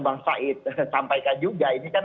bang said sampaikan juga ini kan